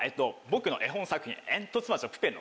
僕の絵本作品。